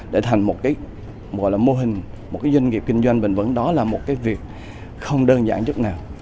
để thành một cái gọi là mô hình một cái doanh nghiệp kinh doanh bình vẩn đó là một cái việc không đơn giản chút nào